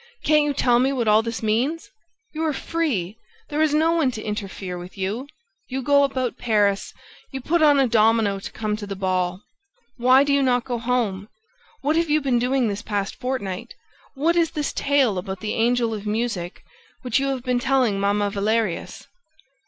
"Can't you tell me what all this means! ... You are free, there is no one to interfere with you... You go about Paris ... You put on a domino to come to the ball... Why do you not go home? ... What have you been doing this past fortnight? ... What is this tale about the Angel of Music, which you have been telling Mamma Valerius?